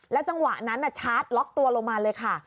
จังหวะนั้นชาร์จล็อกตัวลงมาเลยค่ะ